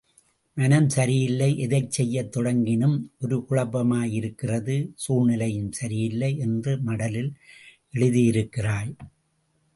மனம் சரியில்லை எதைச் செய்யத் தொடங்கினும் ஒரே குழப்பமாயிருக்கிறது சூழ்நிலையும் சரியில்லை என்று மடலில் எழுதியிருக்கிறாய்.